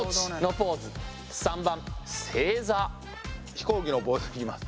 飛行機のポーズいきます。